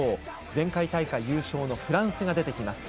前回大会優勝のフランスが出てきます。